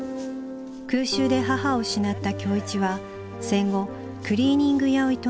空襲で母を失った今日一は戦後クリーニング屋を営む